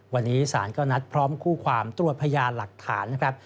วันนี้ศาลก็นัดพร้อมคู่ความตรวจพยานหลักฐานนะครับ